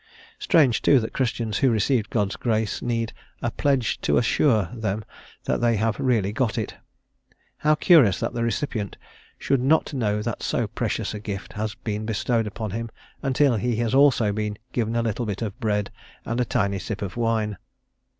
Strange, too, that Christians who received God's grace need "a pledge to assure" them that they have really got it; how curious that the recipient should not know that so precious a gift has been bestowed upon him until he has also been given a little bit of bread and a tiny sip of wine.